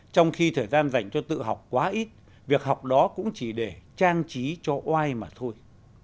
trong khi thời gian dành cho tự học quá ít việc học đó cũng chỉ để trang trí cho oai mà thôi